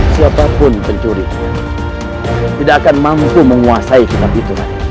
siapapun pencuri tidak akan mampu menguasai kita pitura